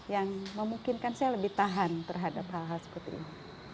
yang memungkinkan saya lebih tahan terhadap hal hal seperti ini